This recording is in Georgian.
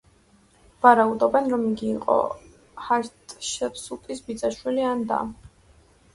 ვარაუდობენ, რომ იგი იყო ჰატშეფსუტის ბიძაშვილი ან და.